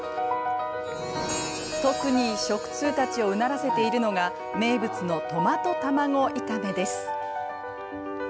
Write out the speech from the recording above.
特に食通たちをうならせているのが名物のトマトたまご炒めです。